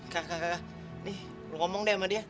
kakak kakak nih lu ngomong deh sama dia